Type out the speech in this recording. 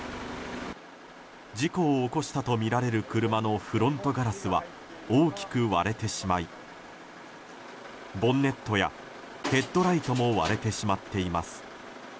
事故を起こしたとみられる車のフロントガラスは大きく割れてしまいボンネットやヘッドライトも割れてしまっています。